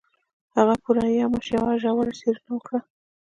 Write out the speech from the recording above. هغه پوره یوه میاشت یوه ژوره څېړنه وکړه